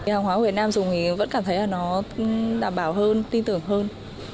hàng hóa việt nam dùng thì vẫn cảm thấy là nó đảm bảo hơn tin tưởng hơn